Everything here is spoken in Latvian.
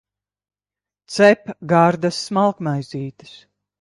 Cep gardas smalkmaizītes